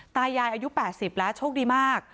ตายายอายุ๘๐แล้วโชคดีมาก